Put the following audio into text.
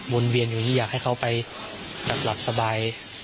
บนเวียนอย่างนี้อยากให้เค้าไปดับสบาย